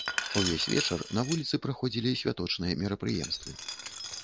Увесь вечар на вуліцы праходзілі святочныя мерапрыемствы.